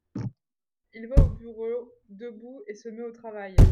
Il va au bureau debout et se met au travail.